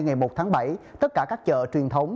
ngày một tháng bảy tất cả các chợ truyền thống